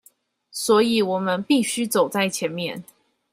所以我們必須走在前面